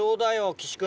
岸君。